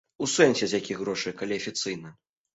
У сэнсе, з якіх грошай, калі афіцыйна?